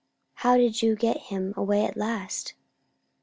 "How did you get him away at last?"